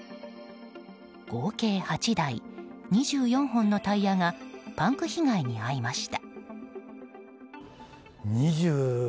合計８台、２４本のタイヤがパンク被害に遭いました。